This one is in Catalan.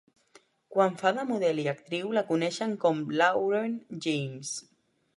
Quan fa de model i actriu, la coneixen com Lauren James.